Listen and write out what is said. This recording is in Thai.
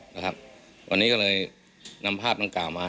วันนี้ก็เลยนำภาพนางกล่าวมา